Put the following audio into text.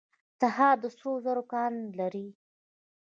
تخار د سرو زرو کان لري